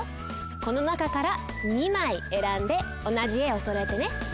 この中から２まいえらんでおなじえをそろえてね。